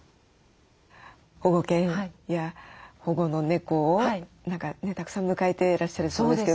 保護犬や保護の猫をたくさん迎えてらっしゃると思うんですけど。